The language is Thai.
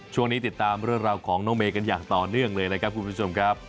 ช่วงนี้ติดตามเรื่องราวของน้องเมย์กันอย่างต่อเนื่องเลยนะครับคุณผู้ชมครับ